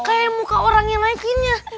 kayak muka orang yang naikinnya